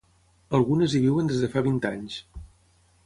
Algunes hi viuen des de fa vint anys.